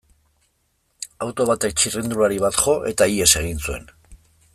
Auto batek txirrindulari bat jo, eta ihes egin zuen.